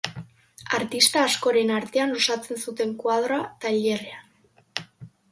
Artista askoren artean osatzen zuten kuadroa, tailerrean.